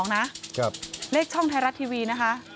เลขช่องไทยรัฐทีวีนะคะ